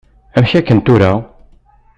Amek aken tura?